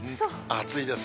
暑いです。